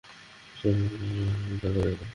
চল, লাভার বয়কে ধরে প্যাদাই!